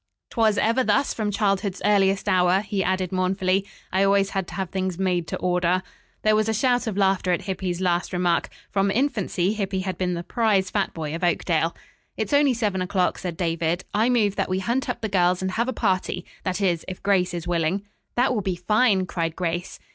''Twas ever thus from childhood's earliest hour,'" he added mournfully. "I always had to have things made to order." There was a shout of laughter at Hippy's last remark. From infancy Hippy had been the prize fat boy of Oakdale. "It's only seven o'clock," said David. I move that we hunt up the girls and have a party. That is, if Grace is willing." "That will be fine," cried Grace.